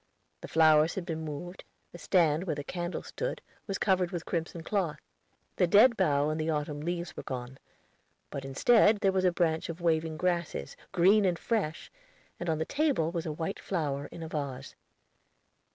The flowers had been moved, the stand where the candle stood was covered with crimson cloth. The dead bough and the autumn leaves were gone; but instead there was a branch of waving grasses, green and fresh, and on the table was a white flower, in a vase.